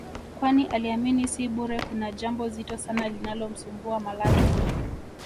kwani aliamini si bure kuna jambo zito sana linalomsumbua Malatwe